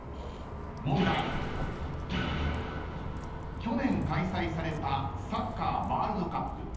［去年開催されたサッカーワールドカップ］